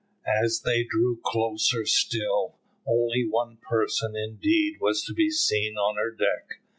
As they drew closer still, only one person indeed was to be seen on her deck.